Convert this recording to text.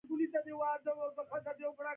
کتاب غوره ملګری دی